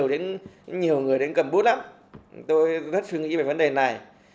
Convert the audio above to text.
tôi rất suy nghĩ về vấn đề này